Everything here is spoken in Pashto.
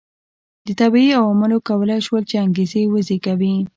طبیعي عواملو کولای شول چې انګېزې وزېږوي.